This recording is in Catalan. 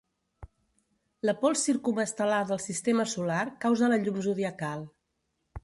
La pols circumestel·lar del Sistema solar causa la llum zodiacal.